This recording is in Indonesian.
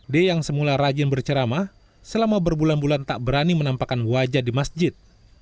d yang semula rajin berceramah selama berbulan bulan tak berani menampakkan wajah di masjid